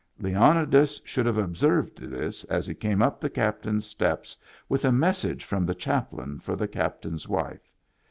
Leonidas should have observed this as he came up the captain's steps with a message from the chaplain for the captain's wife.